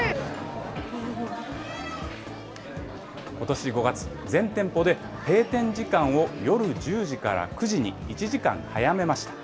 ことし５月、全店舗で閉店時間を夜１０時から９時に１時間早めました。